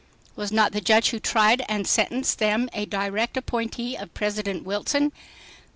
Was not the judge who tried and sentenced them a direct appointee of President Wilson?